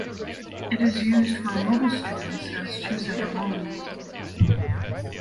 It is used for mobile students at two separate moments.